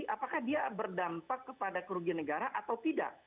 apakah dia berdampak kepada kerugian negara atau tidak